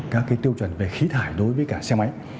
các cái tiêu chuẩn về khí thải đối với cả xe máy